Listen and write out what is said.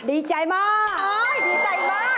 ดีใจมาก